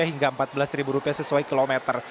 hingga rp empat belas sesuai kilometer